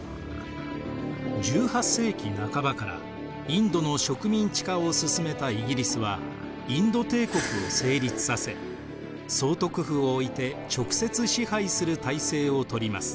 １８世紀半ばからインドの植民地化を進めたイギリスはインド帝国を成立させ総督府を置いて直接支配する体制をとります。